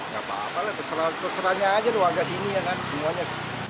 gak apa apa lah terserahnya aja warga sini ya kan semuanya